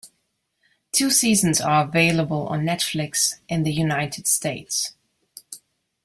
Two seasons are available on Netflix in the United States.